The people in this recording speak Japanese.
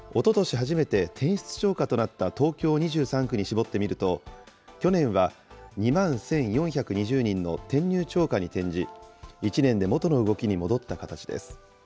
初めて転出超過となった東京２３区に絞ってみると、去年は２万１４２０人の転入超過に転じ、１年で元の動きに戻った形です。